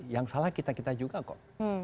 yang salah kita kita juga kok